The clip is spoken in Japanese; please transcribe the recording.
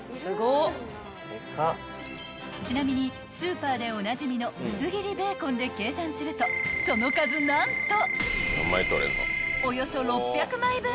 ［ちなみにスーパーでおなじみの薄切りベーコンで計算するとその数何とおよそ６００枚分］